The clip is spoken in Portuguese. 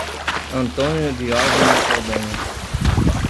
Antônio Diogenes Saldanha